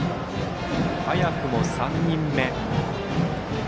早くも３人目。